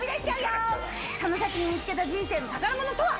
その先に見つけた人生の宝物とは？